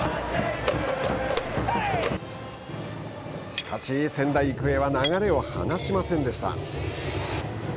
しかし、仙台育英は流れを離しませんでした。